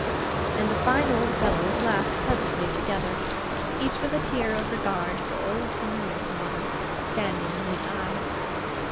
And the fine old fellows laughed pleasantly together: each with a tear of regard for old Tim Linkinwater standing in his eye.